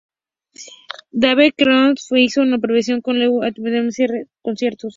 Dave Matthews Band hizo otra versión, con la que habitualmente cierra sus conciertos.